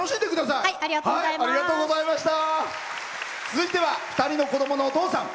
続いては２人の子どものお父さん。